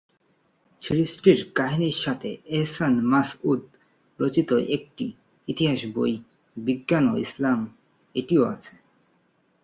সিরিজটির কাহিনীর সাথে এহসান মাসউদ রচিত একটি ইতিহাস বই "বিজ্ঞান ও ইসলাম" ও আছে।